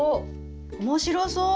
面白そう！